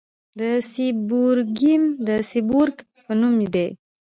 د سیبورګیم د سیبورګ په نوم دی.